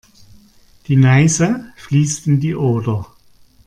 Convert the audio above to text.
Die Neiße fließt in die Oder.